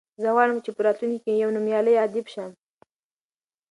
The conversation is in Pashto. زه غواړم چې په راتلونکي کې یو نومیالی ادیب شم.